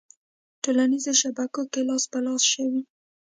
ه ټولنیزو شبکو کې لاس په لاس شوې